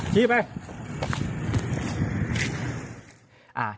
อ๋อที่บน๓คัน